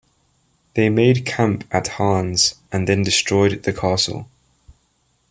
They made camp at Harnes and then destroyed the castle.